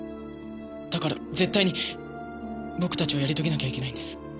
だから絶対に僕たちはやり遂げなきゃいけないんです。